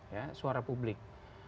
ya suara publik